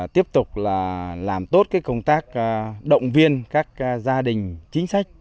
tiếp tục làm tốt công tác động viên các gia đình chính sách